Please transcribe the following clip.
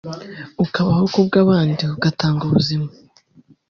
ukabaho ku bw’abandi ugatanga ubuzima